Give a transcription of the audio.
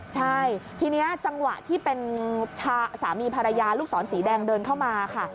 ใช่ทีนี้จังหวะที่เป็นสามีภรรยาลูกศรสีแดงเดินเข้ามาค่ะ